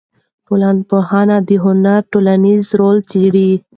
ټولنپوهنه د هنر ټولنیز رول څېړي.